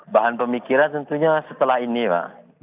bahan pemikiran tentunya setelah ini pak